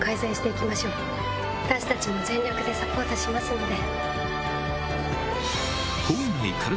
私たちも全力でサポートしますので。